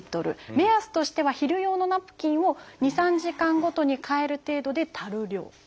目安としては昼用のナプキンを２３時間ごとに替える程度で足る量。